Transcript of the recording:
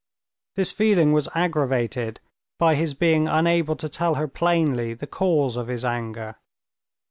This feeling was aggravated by his being unable to tell her plainly the cause of his anger.